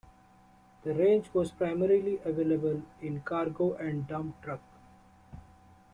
The range was primarily available in cargo and dump truck.